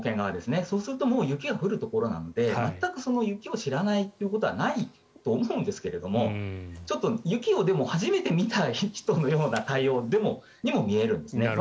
そうするともう雪が降るところなので全く雪を知らないということはないと思うんですけどもちょっと雪をでも初めて見た人のような対応にも見えるんですね。